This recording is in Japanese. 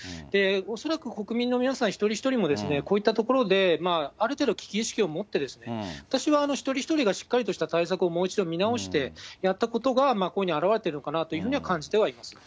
恐らく、国民の皆さん一人一人も、こういったところである程度危機意識を持って、私は、一人一人がしっかりとした対策をもう一度見直して、やったことが、これに表れているのかなというふうには感じてはいます。